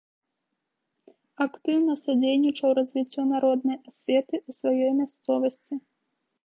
Актыўна садзейнічаў развіццю народнай асветы ў сваёй мясцовасці.